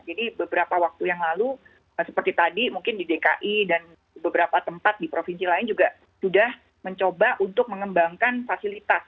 jadi beberapa waktu yang lalu seperti tadi mungkin di dki dan beberapa tempat di provinsi lain juga sudah mencoba untuk mengembangkan fasilitas